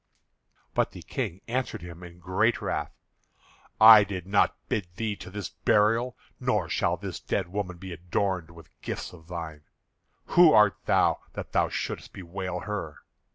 But the King answered him in great wrath: "I did not bid thee to this burial, nor shall this dead woman be adorned with gifts of thine. Who art thou that thou shouldest bewail her?